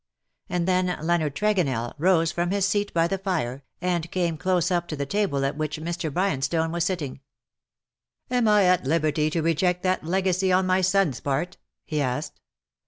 And then Leonard Tregonell rose from his seat by the fire, and came close up to the table at which Mr. Bryanstone was sitting. '' Am I at liberty to reject that legacy on my son^s part?^"' he asked.